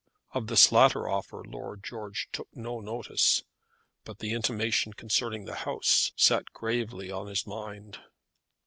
Of this latter offer Lord George took no notice; but the intimation concerning the house sat gravely on his mind.